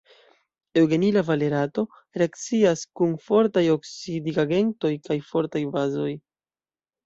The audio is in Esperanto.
Eŭgenila valerato reakcias kun fortaj oksidigagentoj kaj fortaj bazoj.